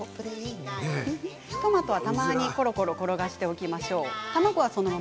トマトはたまにコロコロ転がしておきましょう。